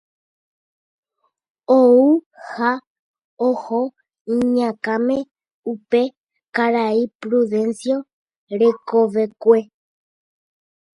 ou ha oho iñakãme upe karai Prudencio rekovekue.